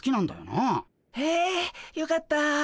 へえよかった。